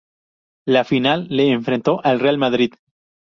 La final le enfrentó al Real Madrid.